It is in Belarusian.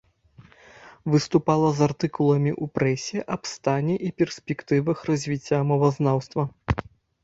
Выступала з артыкуламі ў прэсе аб стане і перспектывах развіцця мовазнаўства.